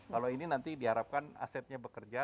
kalau ini nanti diharapkan asetnya bekerja